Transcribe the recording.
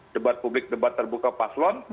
debat publik debat terbuka paslon